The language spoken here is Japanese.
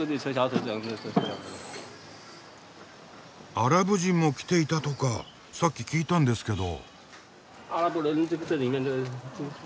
アラブ人も来ていたとかさっき聞いたんですけど。